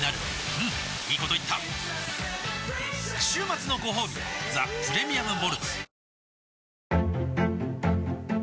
うんいいこと言った週末のごほうび「ザ・プレミアム・モルツ」